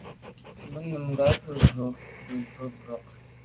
Bú nùngà bì bú’də́ mbrú bì bú’də́ mbrú gə̀ mbrɔ́k.